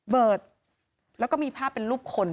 เบิร์ตแล้วก็มีภาพเป็นรูปคน